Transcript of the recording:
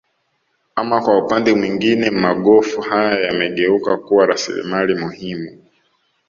Ama kwa upande mwingine magofu haya yamegeuka kuwa rasilimali muhimu